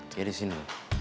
dia di sini